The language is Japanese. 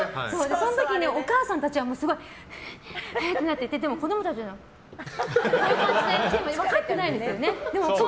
その時はお母さんたちはすごい、わーっとなってて子供たちはこういう感じで分かってないんですよね。